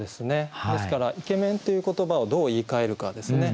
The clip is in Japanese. ですから「イケメン」という言葉をどう言いかえるかですね。